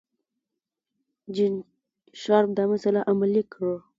جین شارپ دا مسئله علمي کړه.